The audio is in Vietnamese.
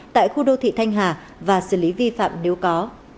tại khu đô thị thanh hà và xử lý vi phạm nếu có